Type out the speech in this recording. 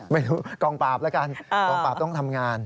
ไม่รู้กองปราบแล้วกันกองปราบต้องทำงาน